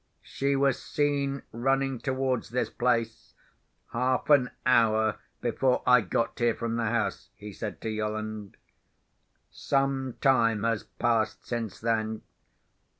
"She was seen running towards this place, half an hour before I got here from the house," he said to Yolland. "Some time has passed since then.